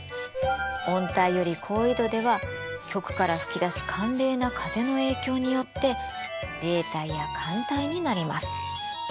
温帯より高緯度では極から吹き出す寒冷な風の影響によって冷帯や寒帯になります。